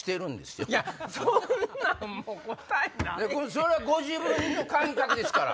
それはご自分の感覚ですから。